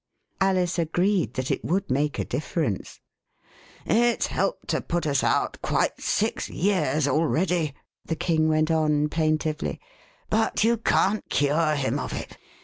Alice agreed that it would make a difference. It's helped to put us out quite six years already,' the King went on plaintively ;but you can't cure him of it.